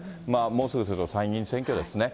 もうすぐ参議院選挙ですね。